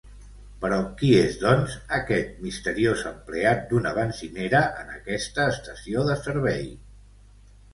Però qui és doncs aquest misteriós empleat d'una benzinera en aquesta estació de servei?